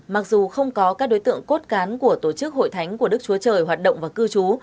mặc dù không có các đối tượng cốt cán của tổ chức hội thánh của đức chúa trời hoạt động và cư trú